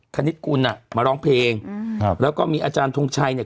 คณิตกุลอ่ะมาร้องเพลงอืมครับแล้วก็มีอาจารย์ทงชัยเนี่ย